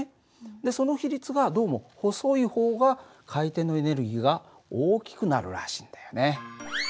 その比率がどうも細い方が回転のエネルギーが大きくなるらしいんだよね。